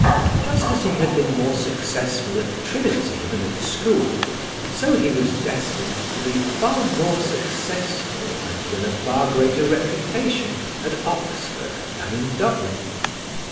Just as he had been more successful at Trinity than at school, so he was destined to be far more successful and win a far greater reputation at Oxford than in Dublin.